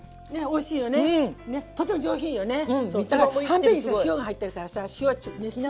はんぺんに塩が入ってるからさ塩はちょっと。